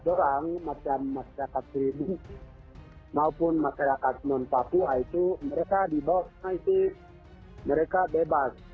kalau masyarakat mereka masyarakat teribu maupun masyarakat non papua itu mereka di bawah itu mereka bebas